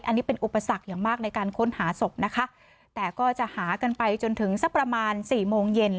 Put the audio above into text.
อันนี้เป็นอุปสรรคอย่างมากในการค้นหาศพนะคะแต่ก็จะหากันไปจนถึงสักประมาณสี่โมงเย็น